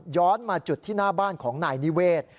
มาจุดที่หน้าบ้านของนายนิเวศ